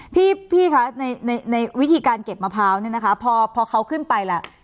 พี่คะในวิธีการเก็บมะพร้าวเนี่ยนะคะพอเขาขึ้นไปแล้ว